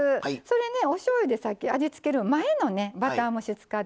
おしょうゆでさっき味付ける前のバター蒸し使ってますけどもね